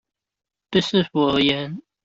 對市府而言